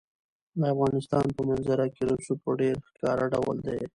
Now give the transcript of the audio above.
د افغانستان په منظره کې رسوب په ډېر ښکاره ډول دي.